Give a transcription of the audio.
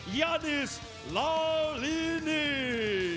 ยานิสลาลีนี่